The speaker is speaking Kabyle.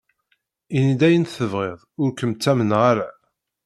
Ini-d ayen tebɣiḍ, ur kem-ttamneɣ ara.